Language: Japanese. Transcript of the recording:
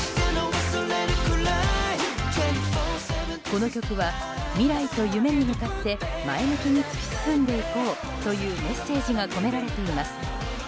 この曲は未来と夢に向かって前向きに突き進んでいこうというメッセージが込められています。